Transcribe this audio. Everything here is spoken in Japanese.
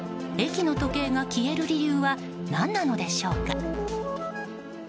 駅の時計が消える理由は何なのでしょうか。